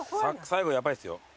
最後ヤバいっすよ。